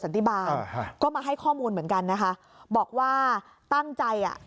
สันติบาลก็มาให้ข้อมูลเหมือนกันนะคะบอกว่าตั้งใจอ่ะ